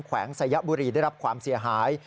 วงสยบุรีได้รับความเสียหาย